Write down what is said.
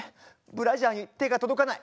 ブラジャーに手が届かない。